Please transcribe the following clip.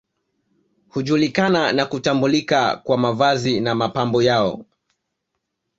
Hujulikana na kutambulika kwa mavazi na mapambo yao